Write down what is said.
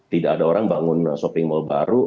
tidak ada orang bangun shopping mall baru